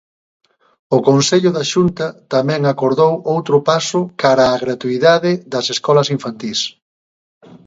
O Consello da Xunta tamén acordou outro paso cara á gratuidade das escolas infantís.